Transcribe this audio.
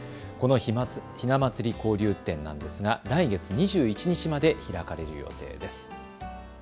このひなまつり交流展なんですが来月２１日まで開かれる予定です。